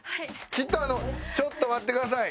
来たのちょっと待ってください。